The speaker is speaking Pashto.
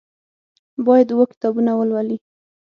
باید اووه کتابونه ولولي.